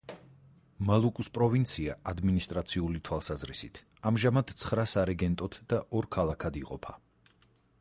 მალუკუს პროვინცია ადმინისტრაციული თვალსაზრისით ამჟამად ცხრა სარეგენტოდ და ორ ქალაქად იყოფა.